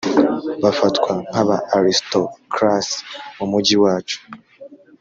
bafatwa nkaba aristocracy mumujyi wacu.